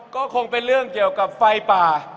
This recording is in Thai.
ก็คงเป็นเรื่องเกี่ยวกับไฟป่า